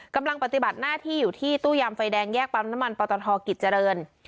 กำลังปฏิบัติหน้าที่อยู่ที่ตู้ยามไฟแดงแยกปั๊มน้ำมันปตทกิจเจริญ